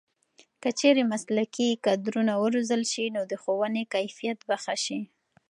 که چېرې مسلکي کدرونه وروزل شي نو د ښوونې کیفیت به ښه شي.